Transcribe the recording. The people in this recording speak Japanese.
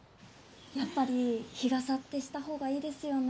やっぱり日傘ってした方がいいですよね？